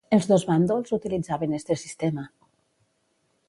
Els dos bàndols utilitzaven este sistema.